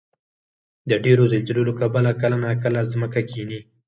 د ډېرو زلزلو له کبله کله ناکله ځمکه کښېني.